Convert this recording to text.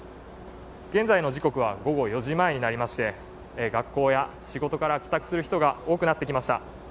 現在の時刻は午後４時前になりまして、学校や仕事から帰宅する人が多くなってきました。